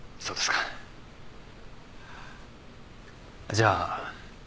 じゃあ。